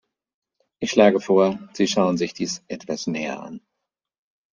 Ich schlage vor, Sie schauen sich dies etwas näher an.